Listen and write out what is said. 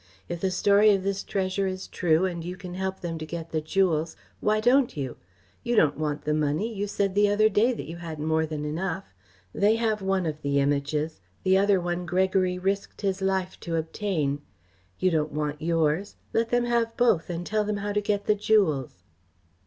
If the story of this treasure is true and you can help them to get the jewels, why don't you? You don't want the money. You said the other day that you had more than enough. They have one of the Images. The other one Gregory risked his life to obtain. You don't want yours. Let them have both and tell them how to get the jewels."